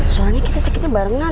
soalnya kita sakitnya barengan